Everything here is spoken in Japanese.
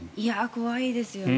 怖いですよね。